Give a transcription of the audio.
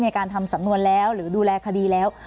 ในการทำสำนวนแล้วหรือดูแลคดีแล้ว